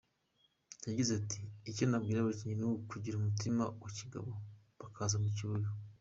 Yagize ati “Icyo nabwira abakinnyi ni ukugira umutima wa kigabo bakaza ku kibuga.